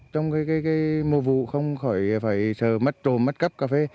trong mùa vụ không khỏi phải sợ mất trộm mất cắp cà phê